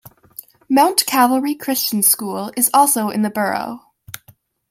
Mount Calvary Christian School is also in the borough.